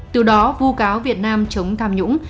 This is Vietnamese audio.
từ đó vô cáo việt nam chống tham nhũng